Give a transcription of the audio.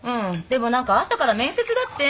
でも何か朝から面接だって。